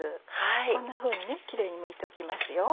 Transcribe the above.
こんなふうにキレイにむいておきますよ。